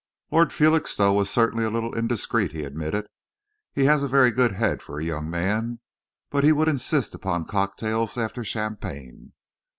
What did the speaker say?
"Lord Felixstowe was certainly a little indiscreet," he admitted. "He has a very good head for a young man, but he would insist upon cocktails after champagne."